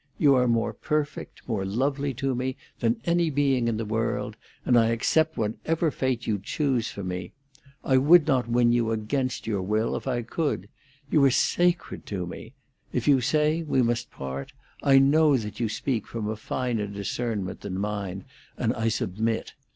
You are more perfect, more lovely to me, than any being in the world, and I accept whatever fate you choose for me. I would not win you against your will if I could. You are sacred to me. If you say we must part, I know that you speak from a finer discernment than mine, and I submit.